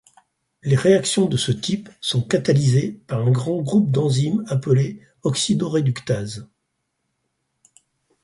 Les réactions de ce type sont catalysées par un grand groupe d'enzymes appelées oxydoréductases.